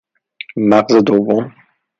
مغز دوم